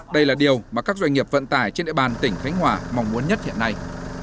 đây là điều mà các doanh nghiệp vận tải trên địa bàn tỉnh khánh hòa mong muốn nhất hiện nay